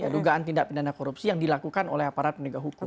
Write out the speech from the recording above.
dugaan tindak pidana korupsi yang dilakukan oleh aparat penegak hukum